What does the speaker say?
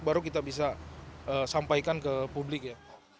baru kita bisa sampaikan ke publik ya